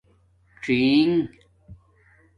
څَئݣ